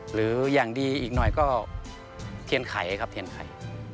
หรืออย่างดีอีกหน่อยก็เทียนไข่ครับเทียนไข่